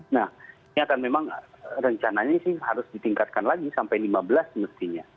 nah ini akan memang rencananya sih harus ditingkatkan lagi sampai lima belas mestinya